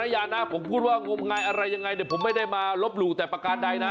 ยังไงอะไรยังไงผมไม่ได้มาลบหลู่แต่ประการใดนะ